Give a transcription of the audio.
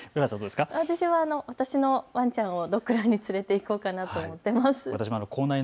私は私のワンちゃんをドッグランに連れていこうかなと思っています。